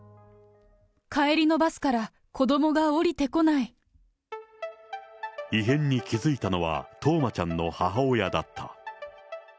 帰りのバスから、異変に気付いたのは、冬生ちゃんの母親だった。